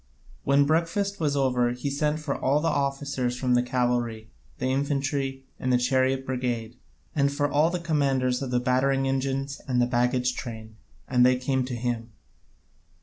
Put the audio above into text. When breakfast was over he sent for all the officers from the cavalry, the infantry, and the chariot brigade, and for the commanders of the battering engines and the baggage train, and they came to him.